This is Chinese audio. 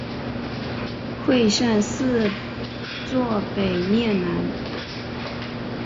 会善寺坐北面南。